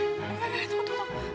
gak gak gak tunggu tunggu